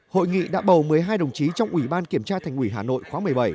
hội nghị đã bầu một mươi hai đồng chí trong ủy ban kiểm tra thành ủy hà nội khóa một mươi bảy